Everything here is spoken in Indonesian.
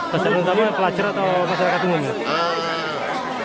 pasal yang pertama pelajar atau masyarakat umum